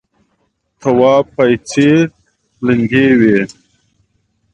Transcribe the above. تواب پايڅې لندې وې.